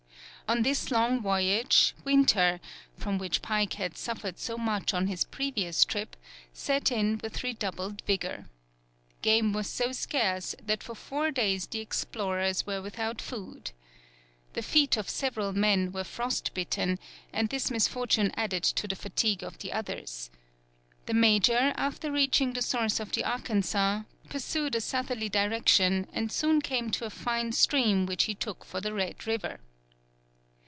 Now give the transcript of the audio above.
On this long voyage, winter, from which Pike had suffered so much on his previous trip, set in with redoubled vigour. Game was so scarce that for four days the explorers were without food. The feet of several men were frostbitten, and this misfortune added to the fatigue of the others. The major, after reaching the source of the Arkansas, pursued a southerly direction and soon came to a fine stream which he took for the Red River.